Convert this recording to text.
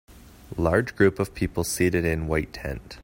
Large group of people seated in white tent.